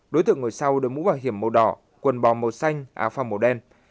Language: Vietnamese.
đối tượng ngồi sau đôi mũ và hiểm màu đỏ quần bò màu xanh áo pha màu đen